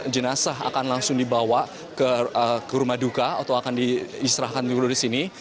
jenazah akan langsung dibawa ke rumah duka atau akan diistirahkan dulu di sini